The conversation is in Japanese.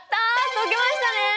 解けましたね！